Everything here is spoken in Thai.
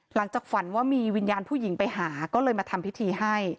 หลังจากฝันว่ามีวิญญาณผู้หญิงไปหาก็เลยมาทำพิธีให้